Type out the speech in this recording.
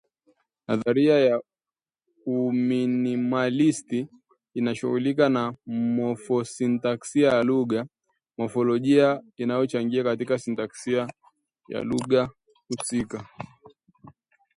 Nadharia ya Uminimalisti inashughulikia mofositanksia ya lugha, mofolojia inachangia katika sintaksia ya lugha husika